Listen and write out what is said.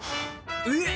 えっ！